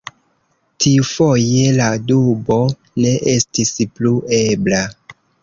Tiufoje la dubo ne estis plu ebla.